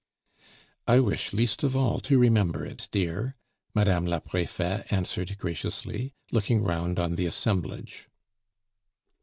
"I wish least of all to remember it, dear," Madame la Prefete answered graciously, looking round on the assemblage.